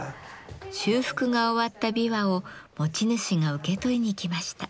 修復が終わった琵琶を持ち主が受け取りにきました。